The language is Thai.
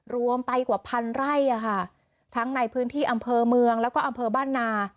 รวมไปกว่าพันไร่อ่ะค่ะทั้งในพื้นที่อำเภอเมืองแล้วก็อำเภอบ้านนา